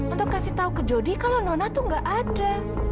untuk kasih tahu ke jodi kalau nona tuh nggak ada